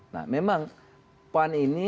nah memang pan ini